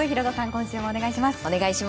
今週もお願いします。